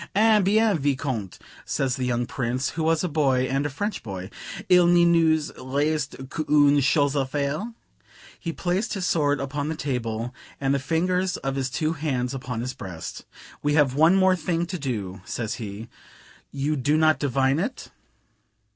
"Eh bien, Vicomte!" says the young Prince, who was a boy, and a French boy, "il ne nous reste qu'une chose a faire:" he placed his sword upon the table, and the fingers of his two hands upon his breast: "We have one more thing to do," says he; "you do not divine it?"